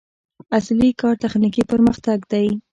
اصلي کار تخنیکي پرمختګ دی.